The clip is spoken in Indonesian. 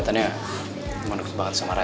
keliatannya lo deket banget sama raya